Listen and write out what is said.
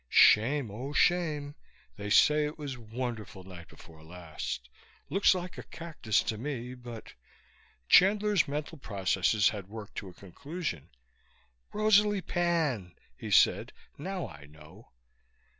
"Shame, oh, shame! They say it was wonderful night before last. Looks like cactus to me, but " Chandler's mental processes had worked to a conclusion. "Rosalie Pan!" he said. "Now I know!"